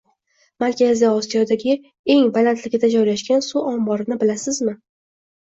Markaziy Osiyodagi eng balandlikda joylashgan suv omborini bilasizmi?